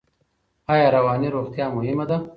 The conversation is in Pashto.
ایا رواني روغتیا مهمه ده؟